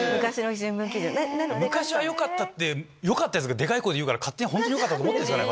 昔はよかったってよかったヤツがでかい声で言うから勝手に本当によかったと思ってるんですかね